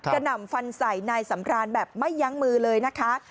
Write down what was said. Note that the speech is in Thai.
หน่ำฟันใส่นายสำรานแบบไม่ยั้งมือเลยนะคะ